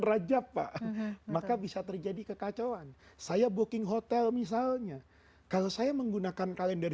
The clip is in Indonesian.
raja pak maka bisa terjadi kekacauan saya booking hotel misalnya kalau saya menggunakan kalender